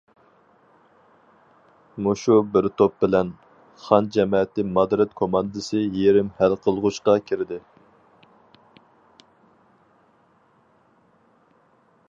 مۇشۇ بىر توپ بىلەن خان جەمەتى مادرىد كوماندىسى يېرىم ھەل قىلغۇچقا كىردى.